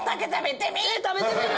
食べてみる！